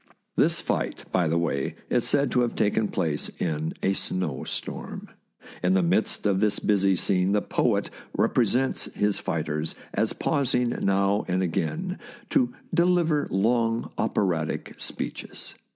This fight, by the way, is said to have taken place in a snow storm. In the midst of this busy scene the poet rep resents his fighters as pausing now and again to deliver long operatic speeches.